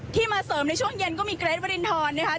มาเสริมในช่วงเย็นก็มีเกรทวรินทรนะคะ